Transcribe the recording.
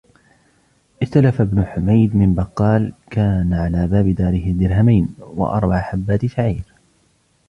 استلف بن حميد من بقال كان على باب داره درهمين وأربع حبات شعير